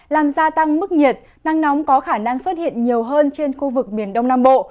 làm gia tăng mức nhiệt nắng nóng có khả năng xuất hiện nhiều hơn trên khu vực miền đông nam bộ